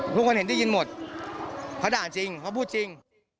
ทุกคนเห็นได้ยินหมดเขาด่าจริงเขาพูดจริง